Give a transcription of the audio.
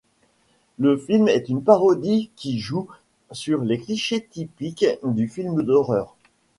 Le film est une parodie qui joue sur les clichés typiques du film d'horreur.